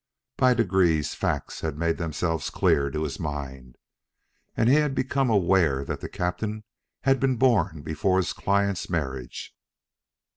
By degrees facts had made themselves clear to his mind, and he had become aware that the captain had been born before his client's marriage.